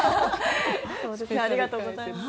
ありがとうございます。